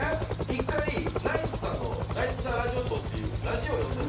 １回ナイツさんの『ナイツザ・ラジオショー』っていうラジオ呼んでもらって。